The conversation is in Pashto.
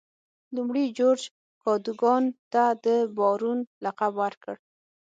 لومړي جورج کادوګان ته د بارون لقب ورکړ.